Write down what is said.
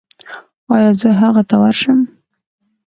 ایا زه هغه ته ورشم؟